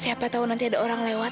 siapa tahu nanti ada orang lewat